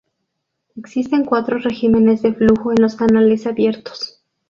Existen cuatro regímenes de flujo en los canales abiertos.